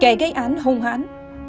kẻ gây án hùng hãn